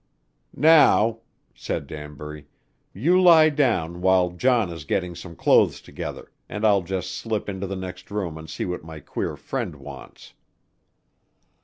"Now," said Danbury, "you lie down while John is getting some clothes together, and I'll just slip into the next room and see what my queer friend wants."